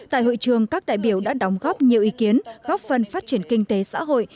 tại hội trường các đại biểu đã đóng góp nhiều ý kiến góp phần phát triển kinh tế xã hội